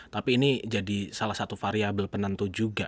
tapi ini jadi salah satu variable penentu juga